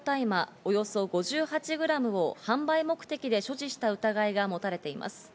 およそ５８グラムを販売目的で所持した疑いが持たれています。